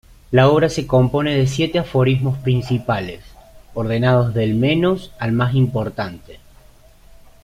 La obra se compone de siete aforismos principales, ordenados del menos al más importante.